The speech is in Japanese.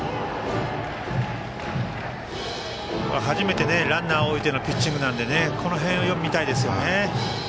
初めてランナーを置いてのピッチングなのでこの辺をよく見たいですね。